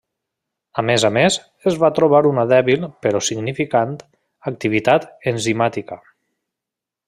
A més a més, es va trobar una dèbil, però significant, activitat enzimàtica.